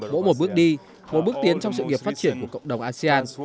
mỗi một bước đi một bước tiến trong sự nghiệp phát triển của cộng đồng asean